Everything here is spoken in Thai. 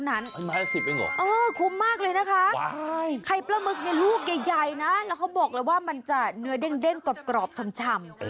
งายนะเขาบอกเลยว่ามันจะเนื้อเด้งกรอบชำ